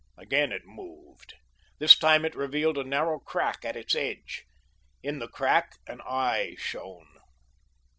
Again it moved. This time it revealed a narrow crack at its edge. In the crack an eye shone.